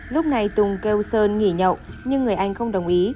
lúc này tùng kêu sơn nghỉ nhậu nhưng người anh không đồng ý